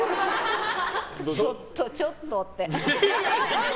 ちょっとちょっとって。